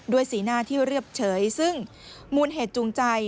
สีหน้าที่เรียบเฉยซึ่งมูลเหตุจูงใจ